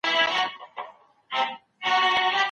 کي کمال دی